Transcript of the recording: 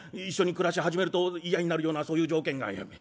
一緒に暮らし始めると嫌になるようなそういう条件が」。